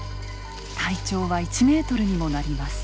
体長は１メートルにもなります。